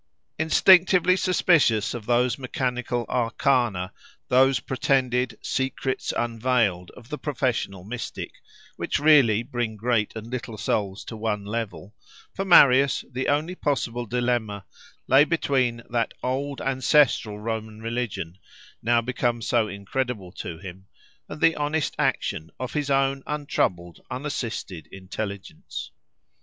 Instinctively suspicious of those mechanical arcana, those pretended "secrets unveiled" of the professional mystic, which really bring great and little souls to one level, for Marius the only possible dilemma lay between that old, ancestral Roman religion, now become so incredible to him and the honest action of his own untroubled, unassisted intelligence.